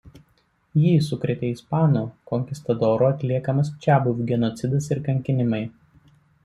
Jį sukrėtė ispanų konkistadorų atliekamas čiabuvių genocidas ir kankinimai.